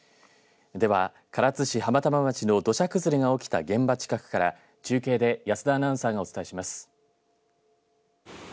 では、唐津市浜玉町の土砂崩れが起きた現場近くから中継で保田アナウンサーがお伝えします。